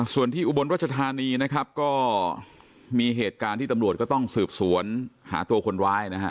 ส่วนที่อุบรรณรจทานีก็มีเหตุการณ์ที่ตำรวจก็ต้องสืบสวนหาตัวคนร้าย